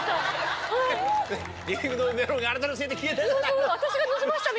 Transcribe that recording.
リビングのメロンがあなたのせいで消えてるじゃないの！